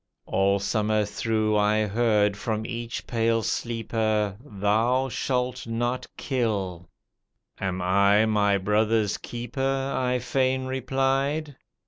All summer through I heard from each pale sleeper, "Thou shalt not kill." "Am I my brother's keeper?" I fain replied.